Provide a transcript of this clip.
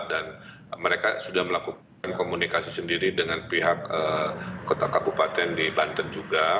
dan mereka sudah melakukan komunikasi sendiri dengan pihak kota kabupaten di banten juga